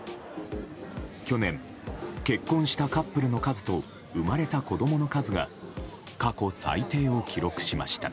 去年、結婚したカップルの数と生まれた子供の数が過去最低を記録しました。